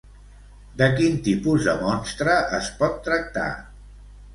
De quin tipus de monstre es pot tractar?